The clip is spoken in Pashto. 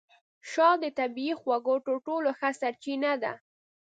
شات د طبیعي خوږو تر ټولو ښه سرچینه ده.